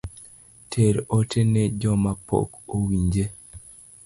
Ter ote ne jomapok owinje